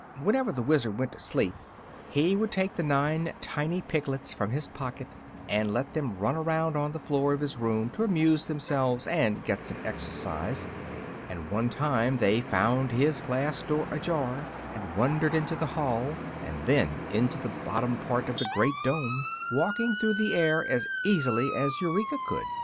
Whenever the Wizard went to sleep he would take the nine tiny piglets from his pocket and let them run around on the floor of his room to amuse themselves and get some exercise; and one time they found his glass door ajar and wandered into the hall and then into the bottom part of the great dome, walking through the air as easily as Eureka could.